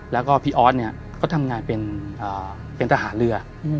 แล้วก็พี่ออสเนี่ยเขาทำงานเป็นทหารเรือ